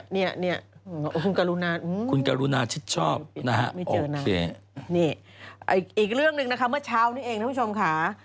เนี่ยคุณกรุณาชิดชอบนะฮะนี่อีกเรื่องหนึ่งนะคะเมื่อเช้านี้เองท่านผู้ชมค่ะ